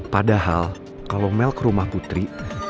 padahal kalau mel ke rumah putri